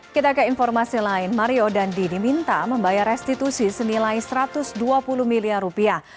kita ke informasi lain mario dandi diminta membayar restitusi senilai satu ratus dua puluh miliar rupiah